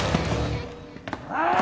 ああ！